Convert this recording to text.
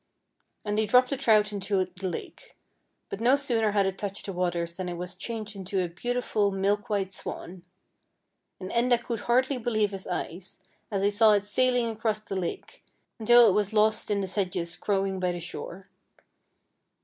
And he dropped the trout into the lake; but no sooner had it touched the waters than it was changed into a beautiful, milk white swan. And Enda could hardly believe his eyes, as he saw it sailing across the lake, until it was lost in the sedges growing by the shore.